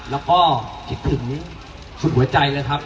แล้วก็คิดถึงสุดหัวใจเลยครับ